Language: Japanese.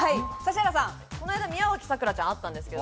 この間、宮脇咲良ちゃんにあったんですけど。